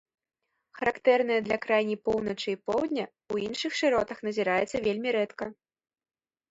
Характэрнае для крайняй поўначы і поўдня, у іншых шыротах назіраецца вельмі рэдка.